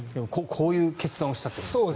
こういう決断をしたということですね。